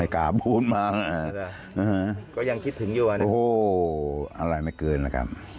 ก็ยังคิดถึงอยู่ว่ะเนี่ยโอ้โฮอะไรไม่เกินละครับ